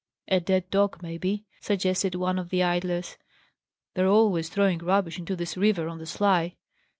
"A dead dog, maybe," suggested one of the idlers. "They're always throwing rubbish into this river on the sly."